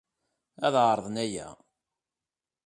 Ad ɛerḍen aya.